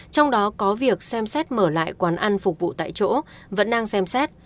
trong đó có việc xem xét mở lại quán ăn phục vụ tại chỗ vẫn đang xem xét